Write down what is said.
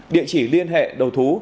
địa chỉ liên hệ đầu thú